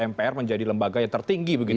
mpr menjadi lembaga yang tertinggi